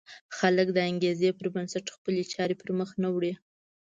خلک د انګېزې پر بنسټ خپلې چارې پر مخ نه وړي.